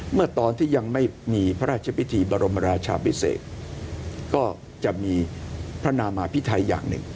เมื่อตอนที่ยังไม่มีพระราชพิธีบรมราชาพิเศษก็จะมีพระนามาพิไทยอย่างหนึ่ง